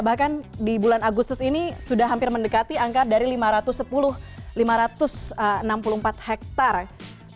bahkan di bulan agustus ini sudah hampir mendekati angka dari lima ratus sepuluh lima ratus enam puluh empat hektare